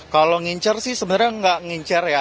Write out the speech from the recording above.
kalau ngincer sih sebenarnya nggak ngincer ya